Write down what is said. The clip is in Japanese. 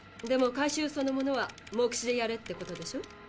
でも回収そのものは目視でやれってことでしょ？